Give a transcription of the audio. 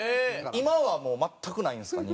今はもう全くないんですか？